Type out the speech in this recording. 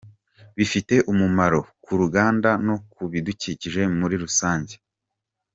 Bifite umumaro ku ruganda no ku bidukikije muri rusange.